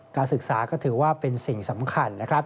การศึกษาก็ถือว่าเป็นสิ่งสำคัญนะครับ